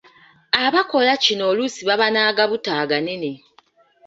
Abakola kino oluusi baba n’agabuto aganene.